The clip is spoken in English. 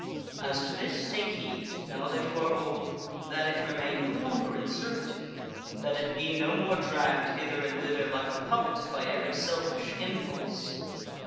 As to this, take heed, now that you are old, that it remain no longer in servitude; that it be no more dragged hither and thither like a puppet by every selfish impulse.